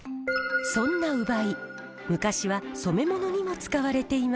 そんな烏梅昔は染め物にも使われていました。